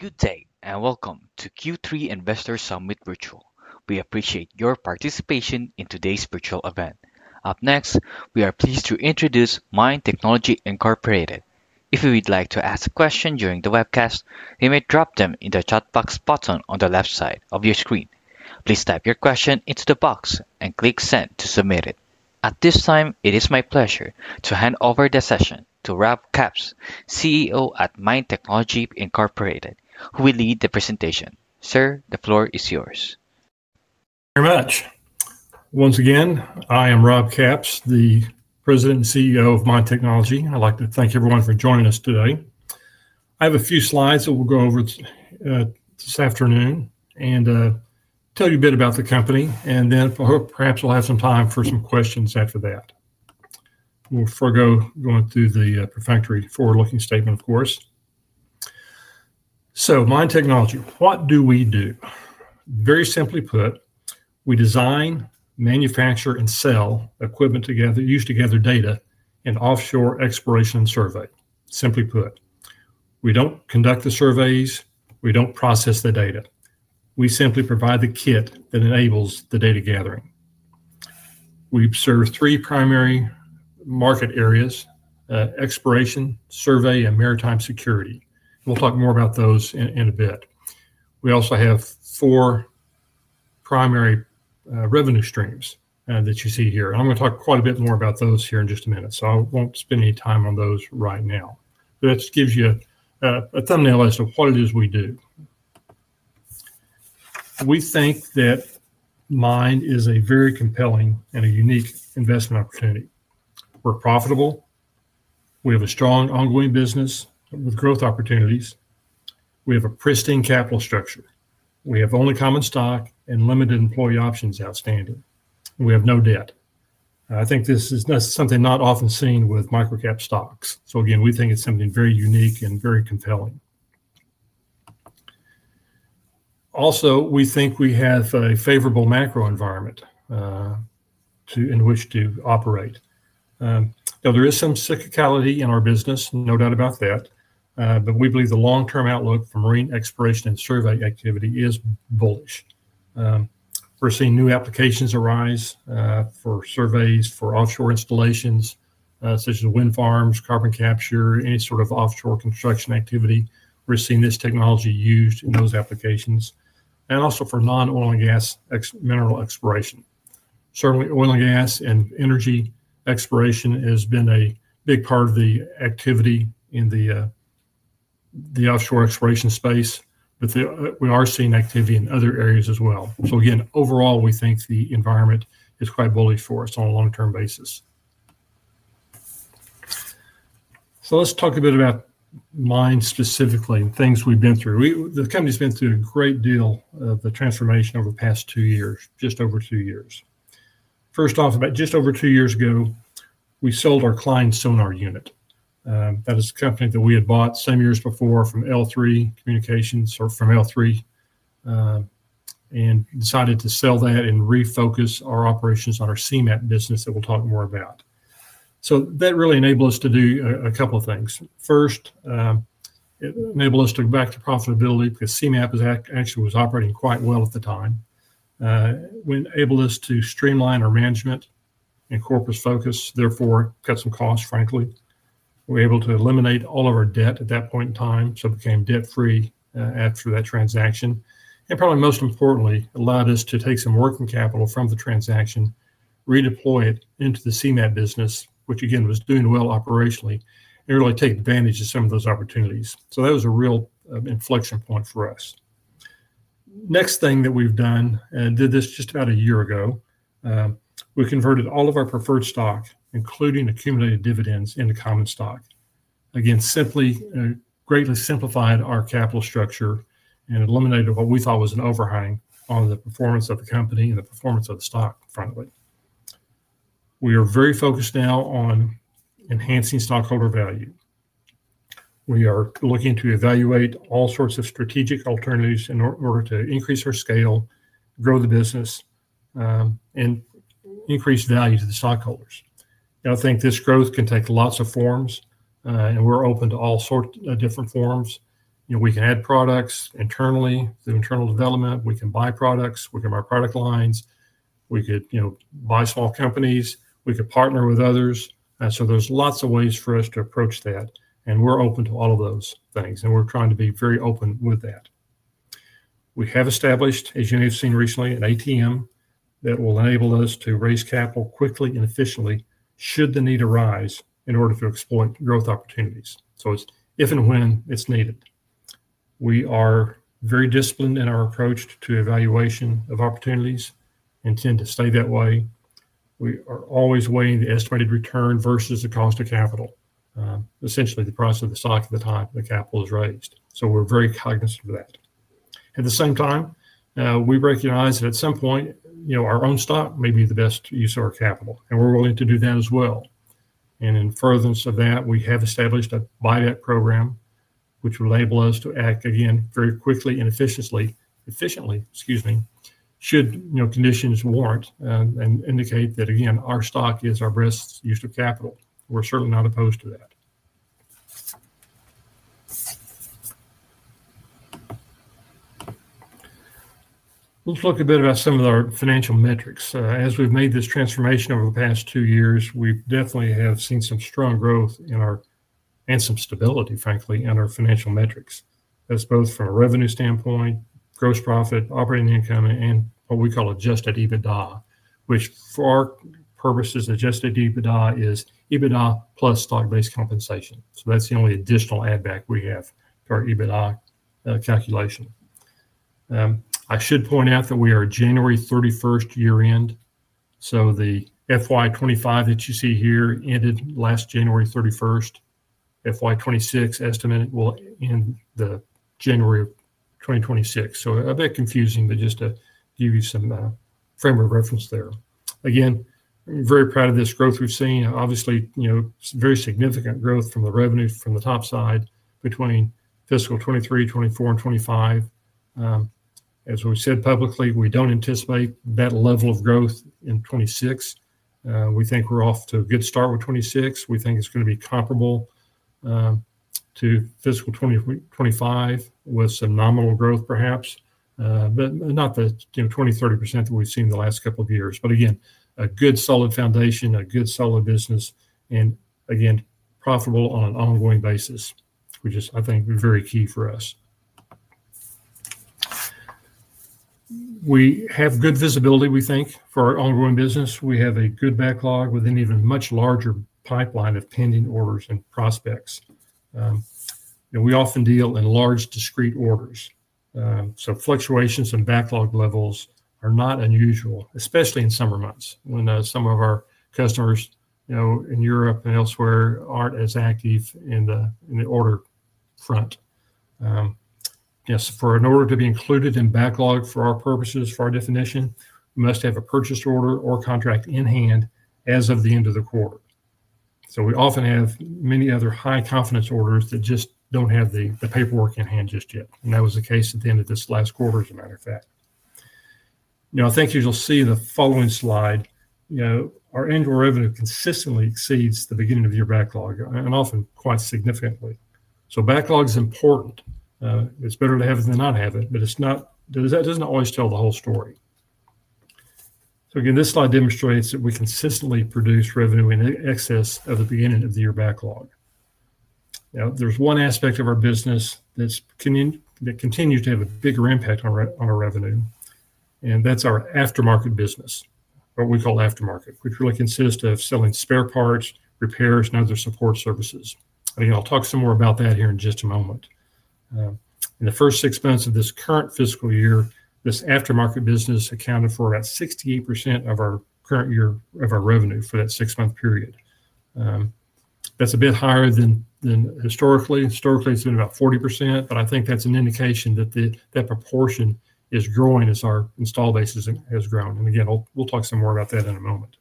Good day, and welcome to Q3 Investor Summit Virtual. We appreciate your participation in today's virtual event. Up next, we are pleased to introduce MIND Technology Incorporated. If you would like to ask a question during the webcast, you may drop them in the chat box button on the left side of your screen. Please type your question into the box and click "Send" to submit it. At this time, it is my pleasure to hand over the session to Rob Capps, CEO at MIND Technology Incorporated, who will lead the presentation. Sir, the floor is yours. Thank you very much. Once again, I am Rob Capps, the President and CEO of MIND Technology. I'd like to thank everyone for joining us today. I have a few slides that we'll go over this afternoon and tell you a bit about the company, and then perhaps we'll have some time for some questions after that. We'll forego going through the perfunctory forward-looking statement, of course. MIND Technology, what do we do? Very simply put, we design, manufacture, and sell equipment used to gather data in offshore exploration survey. Simply put, we don't conduct the surveys, we don't process the data. We simply provide the kit that enables the data gathering. We serve three primary market areas: exploration, survey, and maritime security. We'll talk more about those in a bit. We also have four primary revenue streams that you see here. I'm going to talk quite a bit more about those here in just a minute, so I won't spend any time on those right now. That just gives you a thumbnail as to what it is we do. We think that MIND is a very compelling and a unique investment opportunity. We're profitable. We have a strong ongoing business with growth opportunities. We have a pristine capital structure. We have only common stock and limited employee options outstanding. We have no debt. I think this is something not often seen with micro-cap stocks. We think it's something very unique and very compelling. We think we have a favorable macro environment in which to operate. There is some cyclicality in our business, no doubt about that, but we believe the long-term outlook for marine exploration and survey activity is bullish. We're seeing new applications arise for surveys, for offshore installations, such as wind farms, carbon capture, any sort of offshore construction activity. We're seeing this technology used in those applications, and also for non-oil and gas mineral exploration. Certainly, oil and gas and energy exploration has been a big part of the activity in the offshore exploration space, but we are seeing activity in other areas as well. Overall, we think the environment is quite bullish for us on a long-term basis. Let's talk a bit about MIND specifically, things we've been through. The company's been through a great deal of transformation over the past two years, just over two years. First off, about just over two years ago, we sold our Klein sonar unit. That is a company that we had bought some years before from L3, and decided to sell that and refocus our operations on our CMAP business that we'll talk more about. That really enabled us to do a couple of things. First, it enabled us to go back to profitability because CMAP actually was operating quite well at the time. It enabled us to streamline arrangement and corporate focus, therefore cut some costs, frankly. We were able to eliminate all of our debt at that point in time, so it became debt-free through that transaction. Probably most importantly, it allowed us to take some working capital from the transaction, redeploy it into the CMAP business, which again was doing well operationally, and really take advantage of some of those opportunities. That was a real inflection point for us. Next thing that we've done, and did this just about a year ago, we converted all of our preferred stock, including accumulated dividends, into common stock. Again, simply, greatly simplified our capital structure and eliminated what we thought was an overhang on the performance of the company and the performance of the stock, frankly. We are very focused now on enhancing stockholder value. We are looking to evaluate all sorts of strategic alternatives in order to increase our scale, grow the business, and increase value to the stockholders. I think this growth can take lots of forms, and we're open to all sorts of different forms. We can add products internally through internal development. We can buy products. We can buy product lines. We could buy small companies. We could partner with others. There are lots of ways for us to approach that, and we're open to all of those things, and we're trying to be very open with that. We have established, as you may have seen recently, an ATM facility that will enable us to raise capital quickly and efficiently should the need arise in order to exploit growth opportunities. It is if and when it's needed. We are very disciplined in our approach to evaluation of opportunities and tend to stay that way. We are always weighing the estimated return versus the cost of capital. Essentially, the price of the stock at the time the capital is raised. We're very cognizant of that. At the same time, we recognize that at some point, our own stock may be the best use of our capital, and we're willing to do that as well. In furtherance of that, we have established a buyback program, which will enable us to act very quickly and efficiently, should conditions warrant and indicate that our stock is our best use of capital. We're certainly not opposed to that. We'll talk a bit about some of our financial metrics. As we've made this transformation over the past two years, we definitely have seen some strong growth in our, and some stability, frankly, in our financial metrics. That's both from a revenue standpoint, gross profit, operating income, and what we call adjusted EBITDA, which for our purposes, adjusted EBITDA is EBITDA plus stock-based compensation. That's the only additional add-back we have to our EBITDA calculation. I should point out that we are January 31 year-end. The FY25 that you see here ended last January 31. FY26 estimated will end January 2026. It's a bit confusing, but just to give you some frame of reference there. I'm very proud of this growth we've seen. Obviously, it's very significant growth from the revenue from the top side between fiscal 2023, 2024, and 2025. As we've said publicly, we don't anticipate that level of growth in 2026. We think we're off to a good start with 2026. We think it's going to be comparable to fiscal 2025 with some nominal growth, perhaps, but not the 20-30% that we've seen the last couple of years. A good solid foundation, a good solid business, and profitable on an ongoing basis, which is, I think, very key for us. We have good visibility, we think, for our ongoing business. We have a good backlog with an even much larger pipeline of pending orders and prospects. We often deal in large discrete orders. Fluctuations in backlog levels are not unusual, especially in summer months when some of our customers in Europe and elsewhere aren't as active in the order front. For an order to be included in backlog for our purposes, for our definition, we must have a purchase order or contract in hand as of the end of the quarter. We often have many other high-confidence orders that just don't have the paperwork in hand just yet. That was the case at the end of this last quarter, as a matter of fact. I think you'll see in the following slide, our annual revenue consistently exceeds the beginning-of-year backlog and often quite significantly. Backlog is important. It's better to have it than not have it, but it doesn't always tell the whole story. This slide demonstrates that we consistently produce revenue in excess of the beginning-of-the-year backlog. There's one aspect of our business that continues to have a bigger impact on our revenue, and that's our aftermarket business, what we call aftermarket, which really consists of selling spare parts, repairs, and other support services. I'll talk some more about that here in just a moment. In the first six months of this current fiscal year, this aftermarket business accounted for about 68% of our revenue for that six-month period. That's a bit higher than historically. Historically, it's been about 40%, but I think that's an indication that that proportion is growing as our installed base has grown. We'll talk some more about that in a moment.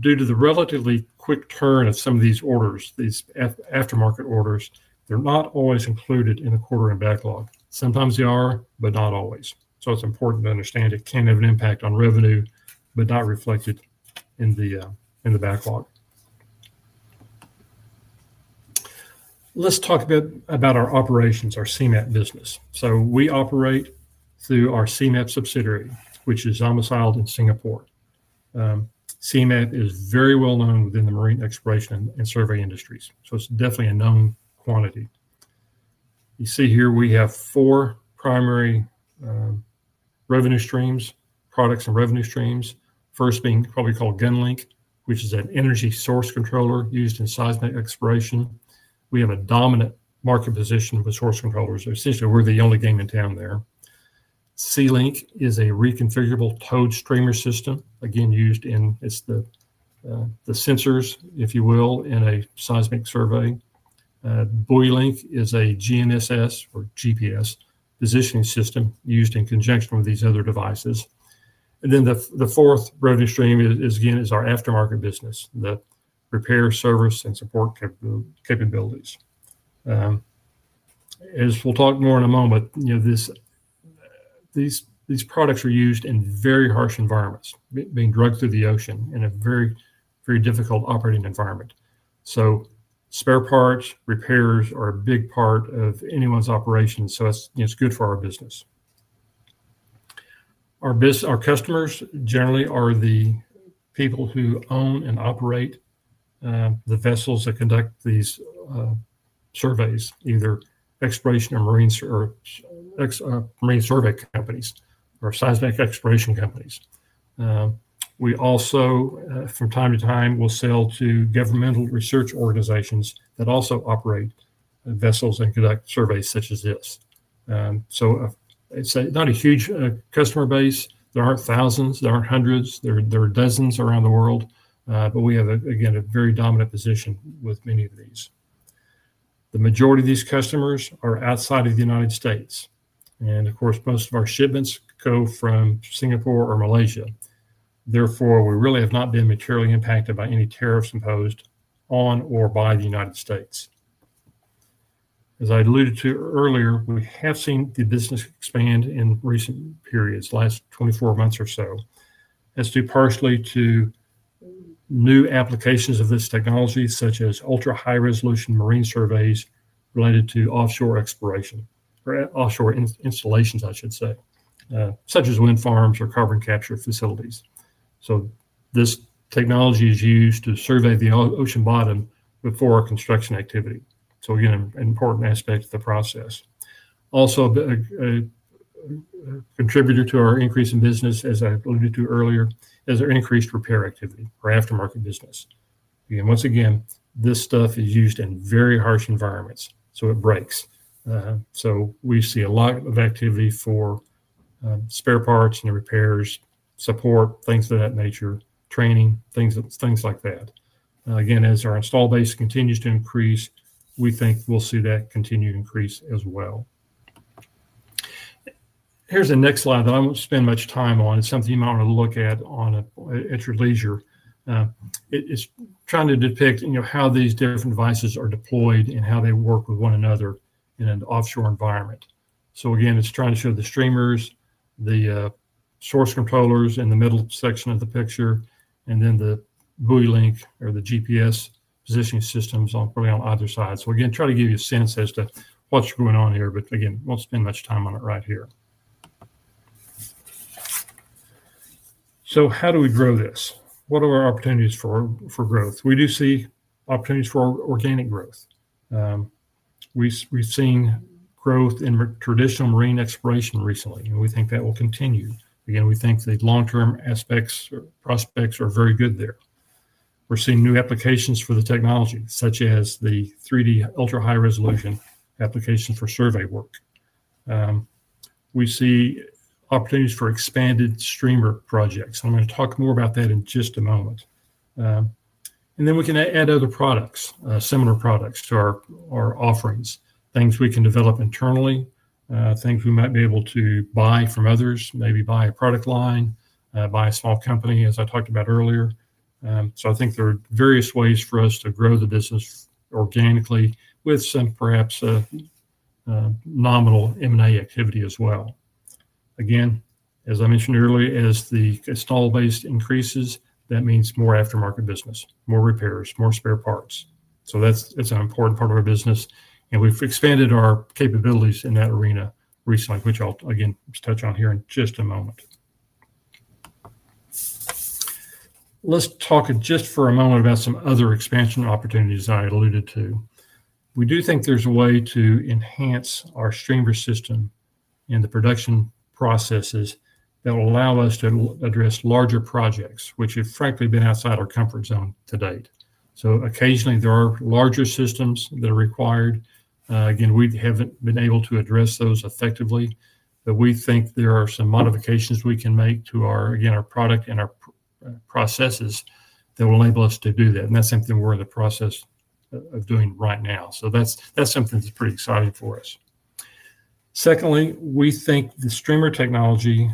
Due to the relatively quick turn of some of these orders, these aftermarket orders, they're not always included in a quarter in backlog. Sometimes they are, but not always. It's important to understand it can have an impact on revenue, but not be reflected in the backlog. Let's talk a bit about our operations, our CMAP business. We operate through our CMAP subsidiary, which is domiciled in Singapore. CMAP is very well known within the marine exploration and survey industries. It's definitely a known quantity. You see here we have four primary revenue streams, products and revenue streams, first being what we call GUNLINK, which is an energy source controller used in seismic exploration. We have a dominant market position with source controllers. Essentially, we're the only game in town there. CLINK is a reconfigurable towed streamer system, again used in the sensors, if you will, in a seismic survey. BUOYLINK is a GNSS or GPS positioning system used in conjunction with these other devices. The fourth revenue stream is, again, our aftermarket business, the repair service and support capabilities. As we'll talk more in a moment, these products are used in very harsh environments, being dragged through the ocean in a very, very difficult operating environment. Spare parts and repairs are a big part of anyone's operation, so it's good for our business. Our customers generally are the people who own and operate the vessels that conduct these surveys, either exploration or marine survey companies or seismic exploration companies. We also, from time to time, will sell to governmental research organizations that also operate vessels that conduct surveys such as this. It's not a huge customer base. There aren't thousands. There aren't hundreds. There are dozens around the world. We have, again, a very dominant position with many of these. The majority of these customers are outside of the United States. Most of our shipments go from Singapore or Malaysia. Therefore, we really have not been materially impacted by any tariffs imposed on or by the United States. As I alluded to earlier, we have seen the business expand in recent periods, the last 24 months or so. That's due partially to new applications of this technology, such as ultra-high-resolution marine surveys related to offshore exploration, or offshore installations, I should say, such as wind farms or carbon capture facilities. This technology is used to survey the ocean bottom before construction activity. Again, an important aspect of the process. Also, a contributor to our increase in business, as I alluded to earlier, is our increased repair activity for aftermarket business. Once again, this stuff is used in very harsh environments, so it breaks. We see a lot of activity for spare parts and repairs, support, things of that nature, training, things like that. As our installed base continues to increase, we think we'll see that continued increase as well. Here's the next slide that I won't spend much time on. It's something you might want to look at at your leisure. It's trying to depict how these different devices are deployed and how they work with one another in an offshore environment. It's trying to show the streamers, the source controllers in the middle section of the picture, and then the BUOYLINK or the GPS positioning systems on either side. Trying to give you a sense as to what's going on here, but won't spend much time on it right here. How do we grow this? What are our opportunities for growth? We do see opportunities for organic growth. We've seen growth in traditional marine exploration recently, and we think that will continue. We think the long-term aspects or prospects are very good there. We're seeing new applications for the technology, such as the 3D ultra-high-resolution applications for survey work. We see opportunities for expanded streamer projects. I'm going to talk more about that in just a moment. We can add other products, similar products to our offerings, things we can develop internally, things we might be able to buy from others, maybe buy a product line, buy a small company, as I talked about earlier. I think there are various ways for us to grow the business organically with some, perhaps, nominal M&A activity as well. As I mentioned earlier, as the installed base increases, that means more aftermarket business, more repairs, more spare parts. That's an important part of our business. We've expanded our capabilities in that arena recently, which I'll touch on here in just a moment. Let's talk just for a moment about some other expansion opportunities I alluded to. We do think there's a way to enhance our streamer system and the production processes that will allow us to address larger projects, which have frankly been outside our comfort zone to date. Occasionally, there are larger systems that are required. We haven't been able to address those effectively, but we think there are some modifications we can make to our product and our processes that will enable us to do that. That's something we're in the process of doing right now. That's something that's pretty exciting for us. Secondly, we think the streamer technology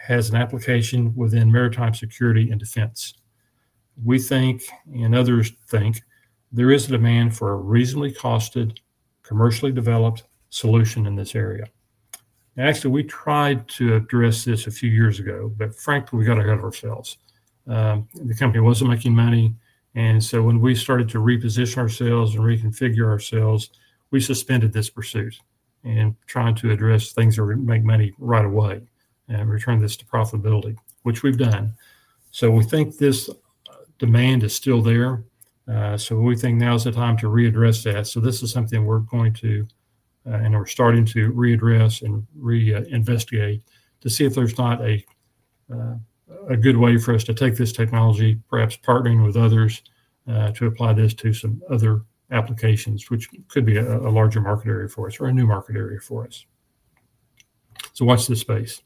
has an application within maritime security and defense. We think, and others think, there is a demand for a reasonably costed, commercially developed solution in this area. Actually, we tried to address this a few years ago, but frankly, we got ahead of ourselves. The company wasn't making money. When we started to reposition ourselves and reconfigure ourselves, we suspended this pursuit and tried to address things that would make money right away and return this to profitability, which we've done. We think this demand is still there. We think now is the time to readdress that. This is something we're going to, and we're starting to readdress and reinvestigate to see if there's not a good way for us to take this technology, perhaps partnering with others to apply this to some other applications, which could be a larger market area for us or a new market area for us. Watch this space.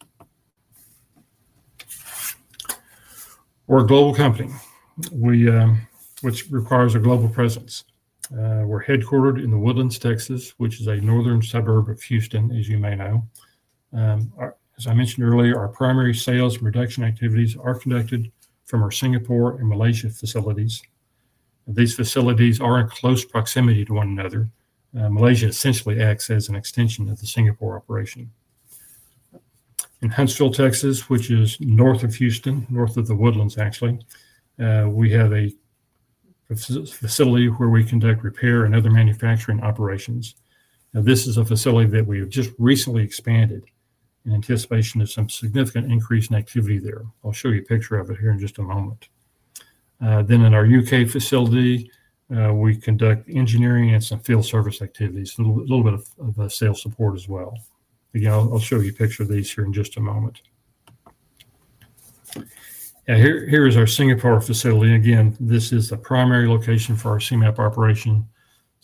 We're a global company, which requires a global presence. We're headquartered in The Woodlands, Texas, which is a northern suburb of Houston, as you may know. As I mentioned earlier, our primary sales and production activities are conducted from our Singapore and Malaysia facilities. These facilities are in close proximity to one another. Malaysia essentially acts as an extension of the Singapore operation. In Huntsville, Texas, which is north of Houston, north of the Woodlands, actually, we have a facility where we conduct repair and other manufacturing operations. This is a facility that we have just recently expanded in anticipation of some significant increase in activity there. I'll show you a picture of it here in just a moment. In our UK facility, we conduct engineering and some field service activities, a little bit of sales support as well. I'll show you a picture of these here in just a moment. Here is our Singapore facility. This is the primary location for our CMAP operation.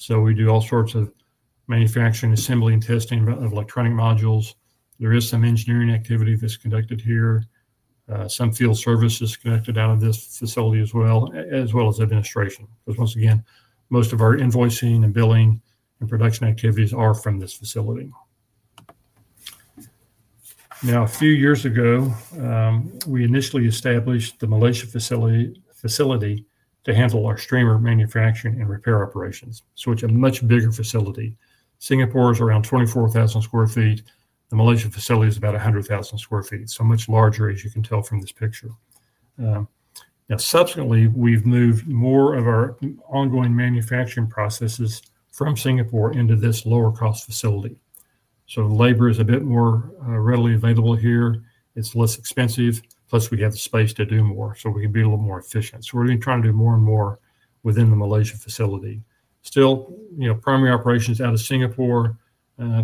We do all sorts of manufacturing, assembly, and testing of electronic modules. There is some engineering activity that's conducted here. Some field service is conducted out of this facility as well, as well as administration. Once again, most of our invoicing and billing and production activities are from this facility. A few years ago, we initially established the Malaysia facility to handle our streamer manufacturing and repair operations, which is a much bigger facility. Singapore is around 24,000 square feet. The Malaysia facility is about 100,000 square feet, so much larger, as you can tell from this picture. Subsequently, we've moved more of our ongoing manufacturing processes from Singapore into this lower-cost facility. Labor is a bit more readily available here. It's less expensive. Plus, we have the space to do more, so we can be a little more efficient. We are going to try to do more and more within the Malaysia facility. Still, primary operations out of Singapore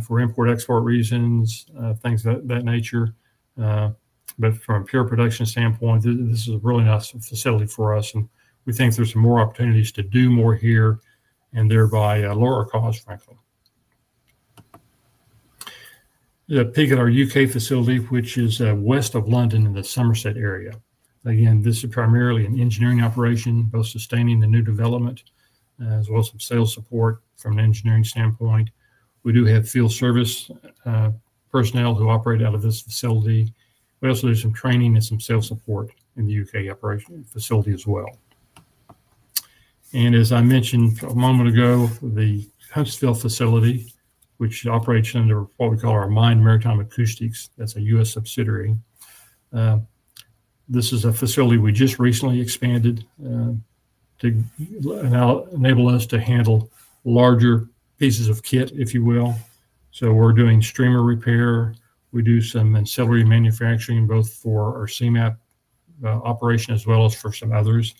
for import-export reasons, things of that nature. From a pure production standpoint, this is a really nice facility for us. We think there's more opportunities to do more here and thereby lower cost, frankly. Picking our UK facility, which is west of London in the Somerset area. This is primarily an engineering operation, both sustaining the new development as well as some sales support from an engineering standpoint. We do have field service personnel who operate out of this facility. We also do some training and some sales support in the UK operation facility as well. As I mentioned a moment ago, the Huntsville facility operates under what we call our MIND Maritime Acoustics. That's a U.S. subsidiary. This is a facility we just recently expanded to enable us to handle larger pieces of kit, if you will. We're doing streamer repair. We do some ancillary manufacturing, both for our CMAP operation as well as for some others,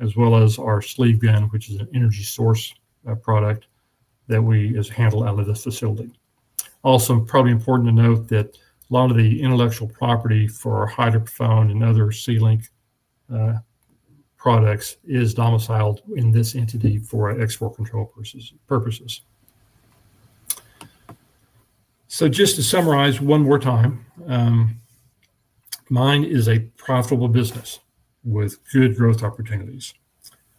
as well as our sleeve gun, which is an energy source product that we handle out of this facility. It's probably important to note that a lot of the intellectual property for hydrophone and other CLINK products is domiciled in this entity for export control purposes. Just to summarize one more time, MIND Technology is a profitable business with good growth opportunities.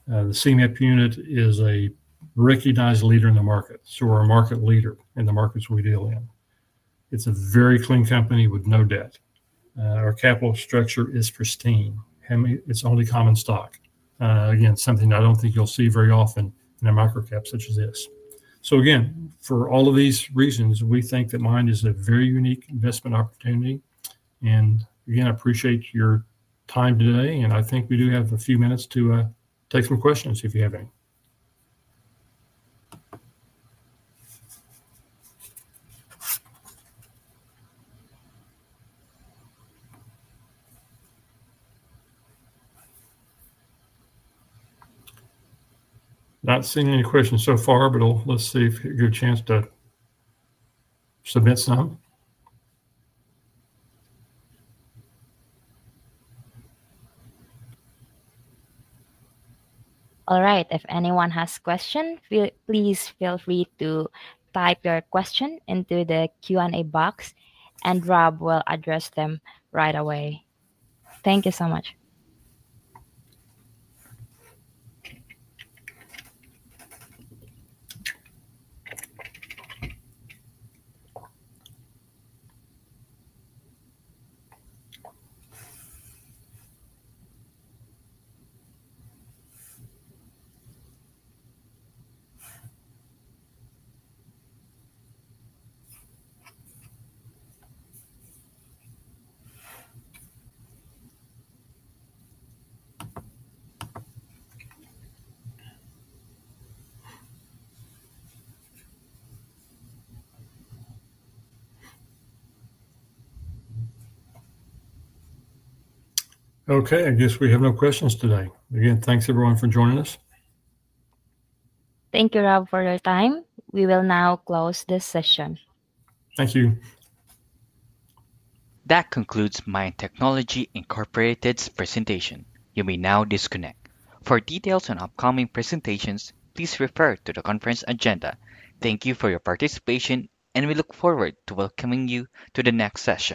The CMAP unit is a recognized leader in the market. We're a market leader in the markets we deal in. It's a very clean company with no debt. Our capital structure is pristine. It's only common stock. Again, something I don't think you'll see very often in a micro-cap such as this. For all of these reasons, we think that MIND Technology is a very unique investment opportunity. I appreciate your time today. I think we do have a few minutes to take some questions if you have any. Not seeing any questions so far, but let's see if you get a chance to submit some. All right. If anyone has questions, please feel free to type your question into the Q&A box, and Rob will address them right away. Thank you so much. Okay. I guess we have no questions today. Again, thanks everyone for joining us. Thank you, Rob, for your time. We will now close this session. Thank you. That concludes MIND Technology Incorporated's presentation. You may now disconnect. For details on upcoming presentations, please refer to the conference agenda. Thank you for your participation, and we look forward to welcoming you to the next session.